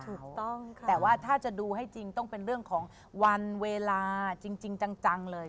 ถูกต้องค่ะแต่ว่าถ้าจะดูให้จริงต้องเป็นเรื่องของวันเวลาจริงจังเลย